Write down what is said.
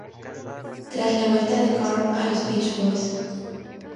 Tras la vuelta de Carl a los Beach Boys.